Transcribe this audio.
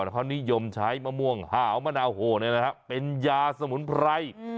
เขานิยมใช้มะม่วงหาวมะนาวโหเป็นยาสมุนไพร